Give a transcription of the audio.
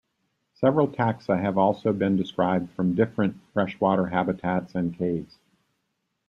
Several taxa have also been described from different freshwater habitats and caves.